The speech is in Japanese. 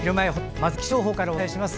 まずは気象情報からお伝えします。